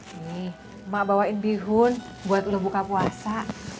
nih mak bawain bihun buat lo buka puasa